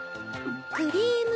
クリーム。